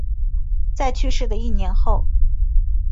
在去世的一年后